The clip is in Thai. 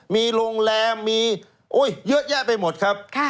มีโรงแรมมีเยอะแยะไปหมดครับ